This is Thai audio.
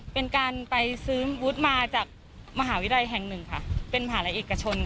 เป็นการไปซื้อวุฒิมาจากมหาวิทยาลัยแห่ง๑ค่ะเป็นมหาวิทยาลัยเอกชนค่ะ